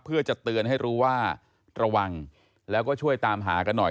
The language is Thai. เพื่อจะเตือนให้รู้ว่าระวังแล้วก็ช่วยตามหากันหน่อย